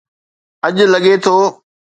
اڄ لڳي ٿو